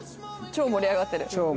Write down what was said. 超盛り上がってる。